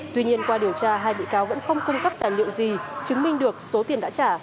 tuy nhiên qua điều tra hai bị cáo vẫn không cung cấp tài liệu gì chứng minh được số tiền đã trả